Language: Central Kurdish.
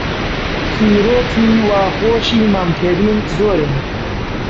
چیرۆکی وا خۆشی مام کەریم زۆرن